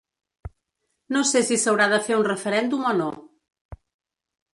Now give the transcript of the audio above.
No sé si s’haurà de fer un referèndum o no.